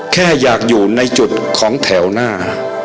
แค่อยากอยู่ในจุดของแถวหน้า